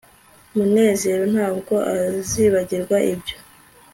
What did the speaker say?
munezero ntabwo azibagirwa ibyo